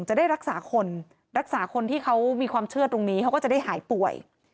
จะได้รักษาคนรักษาคนที่เขามีความเชื่อตรงนี้เขาก็จะได้หายป่วย